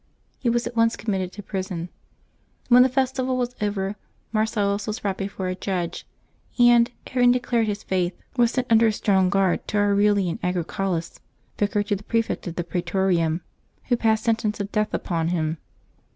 He was at once committed to prison. When the festival was over, Marcel lus was brought before a judge, and, having declared his faith, was sent under a strong guard to Aurelian Agrico laus, vicar to the prefect of the pr^etorium, who passed sentence of death upon him.